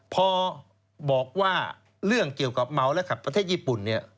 พอบอกว่าเรื่องเกี่ยวกับเมาและขับประเทศญี่ปุ่นเนี่ย